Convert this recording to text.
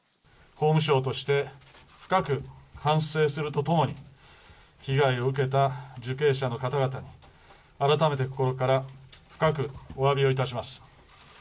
法務省として深く反省するとともに、被害を受けた受刑者の方々に、改めて心から深くおわびをいたします。